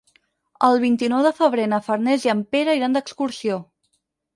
El vint-i-nou de febrer na Farners i en Pere iran d'excursió.